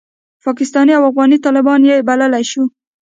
پاکستاني او افغاني طالبان یې بللای شو.